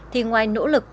thì ngoài nỗ lực